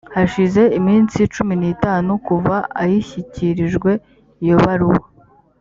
hashize iminsi cumi n itanu kuva ayishyikirijwe iyo baruwa